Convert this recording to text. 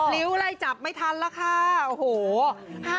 ริ้วใส่จับไม่ทันแล้วค่ะ